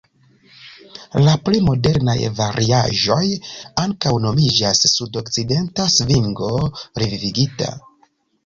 La pli modernaj variaĵoj ankaŭ nomiĝas "sudokcidenta svingo revivigita".